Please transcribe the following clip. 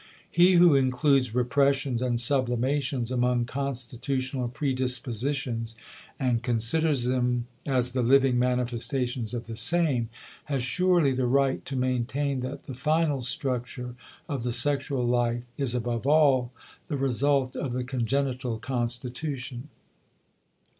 He who includes repressions and sublimations among constitutional predispositions, and considers them as the living manifestations of the same, has surely the right to maintain that the final structure of the sexual life is above all the result of the congenital constitution.